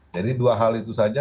jadi dua hal itu saja